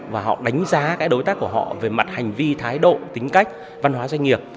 và họ đánh giá cái đối tác của họ về mặt hành vi thái độ tính cách văn hóa doanh nghiệp